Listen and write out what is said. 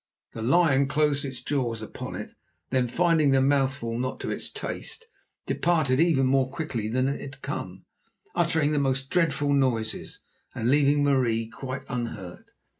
The lion closed its jaws upon it, then finding the mouthful not to its taste, departed even more quickly than it had come, uttering the most dreadful noises, and leaving Marie quite unhurt.